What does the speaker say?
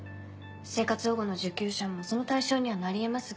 生活保護の受給者もその対象にはなり得ますが。